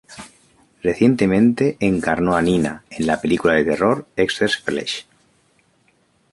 Recientemente encarnó a Nina en la película de terror "Excess Flesh".